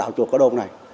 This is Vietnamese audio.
đạo chuộc ở đôn này